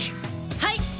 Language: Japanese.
はい。